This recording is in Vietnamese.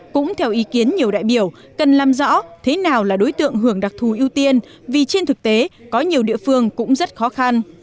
cũng theo ý kiến nhiều đại biểu cần làm rõ thế nào là đối tượng hưởng đặc thù ưu tiên vì trên thực tế có nhiều địa phương cũng rất khó khăn